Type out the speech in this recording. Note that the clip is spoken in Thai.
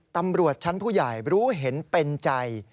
ตำรวจชั้นผู้ใหญ่รู้เห็นเป็นใจ